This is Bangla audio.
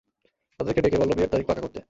তাদেরকে ডেকে বলো বিয়ের তারিখ পাকা করতে।